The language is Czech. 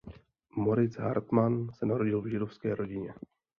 Moritz Hartmann se narodil v židovské rodině.